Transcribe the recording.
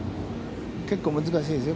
結構難しいですよ